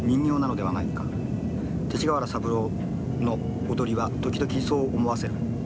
勅使川原三郎の踊りは時々そう思わせる。